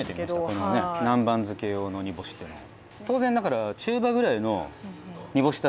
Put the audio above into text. このね南蛮漬け用の煮干しってのは。